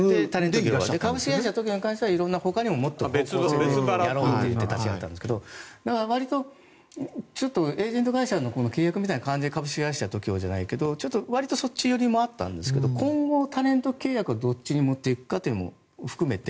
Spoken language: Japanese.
株式会社ＴＯＫＩＯに関してはほかにも色々やろうと立ち上げたんですがだから、わりとエージェント会社のほうのこの契約みたいな感じで株式会社ＴＯＫＩＯじゃないけどわりとそっち寄りもあったんですが今後、タレント契約をどっちに持っていくかも含めて。